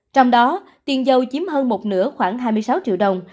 trong đó tiền dâu chiếm hơn một nửa khoảng hai mươi sáu triệu đồng